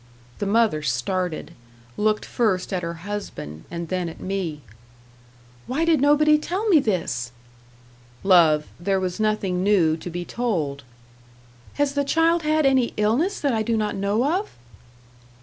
The mother started; looked first at her husband, and then at me. "Why did nobody tell me this?" "Love there was nothing new to be told." "Has the child had any illness that I do not know of?"